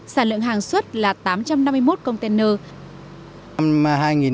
sản lượng hàng xuất là tám trăm năm mươi một container